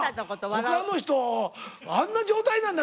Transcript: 他の人あんな状態なんだ？